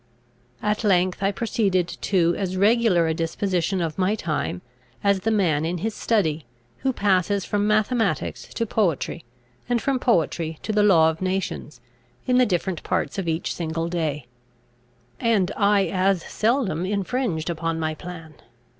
At length I proceeded to as regular a disposition of my time, as the man in his study, who passes from mathematics to poetry, and from poetry to the law of nations, in the different parts of each single day; and I as seldom infringed upon my plan.